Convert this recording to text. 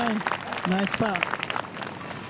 ナイスパー。